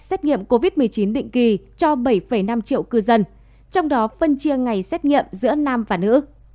xét nghiệm covid một mươi chín định kỳ cho bảy năm triệu cư dân trong đó phân chia ngày xét nghiệm giữa nam và nữ